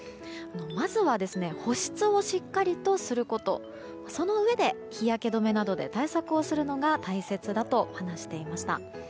まずは保湿をしっかりとすることそのうえで日焼け止めなどで対策をするのが大切だと話していました。